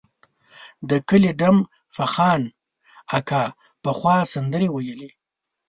د کلي ډم فخان اکا پخوا سندرې ویلې.